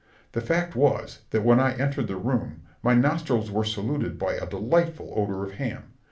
The fact was, that when I entered the room, my nostrils were saluted by a delightful odour of ham.